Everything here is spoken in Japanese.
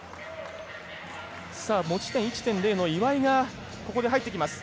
持ち点１．０の岩井がここで入ってきます。